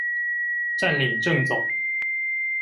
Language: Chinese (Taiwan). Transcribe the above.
佔領政總